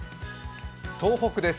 東北です。